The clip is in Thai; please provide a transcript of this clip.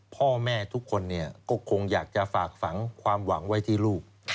พ่อแม่ทุกคนก็คงอยากจะฝากฝังความหวังไว้ที่ลูก